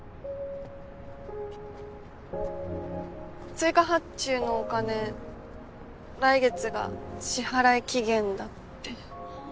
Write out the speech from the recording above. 追加発注のお金来月が支払い期限だって。